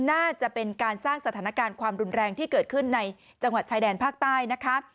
น่าจะเป็นการสร้างสถานการณ์ความรุนแรงที่เกิดขึ้นในจังหวัดชายแดนภาคใต้นะคะ